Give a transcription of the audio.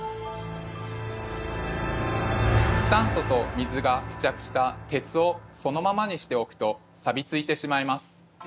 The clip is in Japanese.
酸素と水が付着した鉄をそのままにしておくとさびついてしまいます。